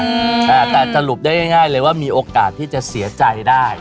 แต่สรุปได้ง่ายเลยว่ามีโอกาสที่จะเสียใจได้